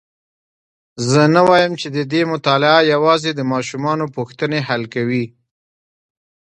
زه نه وایم چې ددې مطالعه یوازي د ماشومانو پوښتني حل کوي.